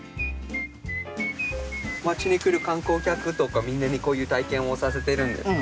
町に来る観光客とかみんなにこういう体験をさせてるんですか？